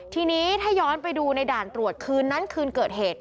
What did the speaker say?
ทีนี้ถ้าย้อนไปดูในด่านตรวจคืนนั้นคืนเกิดเหตุ